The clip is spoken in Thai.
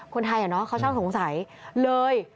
์คุณไทยเค้าช่างสงสัยเลย